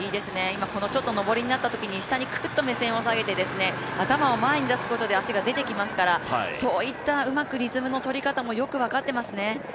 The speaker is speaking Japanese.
この上りになったときに下にくっと目線を下げて頭を前に出すことで足が出てきますからそういったうまくリズムの取り方もよく分かってますね。